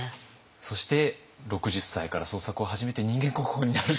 そして６０歳から創作を始めて人間国宝になる。